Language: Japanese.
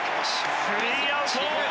スリーアウト。